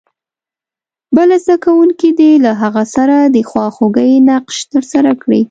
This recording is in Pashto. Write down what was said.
بل زده کوونکی دې له هغه سره د خواخوږۍ نقش ترسره کړي.